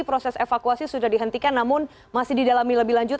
proses evakuasi sudah dihentikan namun masih didalami lebih lanjut